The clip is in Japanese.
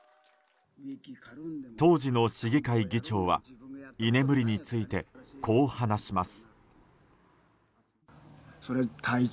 当時の市議会議長は居眠りについて、こう話します。